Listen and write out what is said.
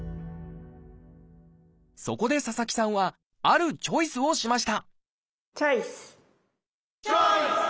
そこで佐々木さんはあるチョイスをしましたチョイス！